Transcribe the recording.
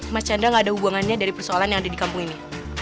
mas chandra nggak ada hubungannya dari persoalan yang ada di kampung ini